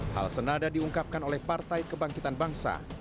hal senada diungkapkan oleh partai kebangkitan bangsa